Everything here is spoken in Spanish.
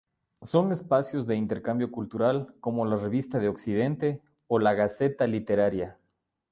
Son espacios de intercambio cultural como la "Revista de Occidente" o "La Gaceta Literaria".